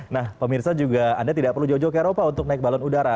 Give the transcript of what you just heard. nah pemirsa juga anda tidak perlu jauh jauh ke eropa untuk naik balon udara